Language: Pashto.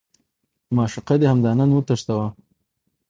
معشوقه دې همدا نن وتښتوه.